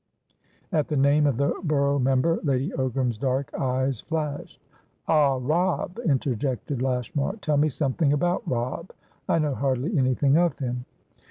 At the name of the borough member, Lady Ogram's dark eyes flashed. "Ah, Robb," interjected Lashmar. "Tell me something about Robb. I know hardly anything of him."